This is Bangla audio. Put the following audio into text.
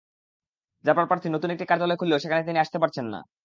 জাপার প্রার্থী নতুন একটি কার্যালয় খুললেও সেখানে তিনি আসতে পারছেন না।